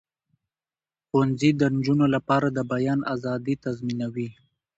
ښوونځي د نجونو لپاره د بیان آزادي تضمینوي.